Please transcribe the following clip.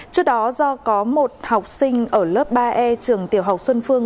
trước đó do có một học sinh ở lớp ba e trường tiểu học xuân phương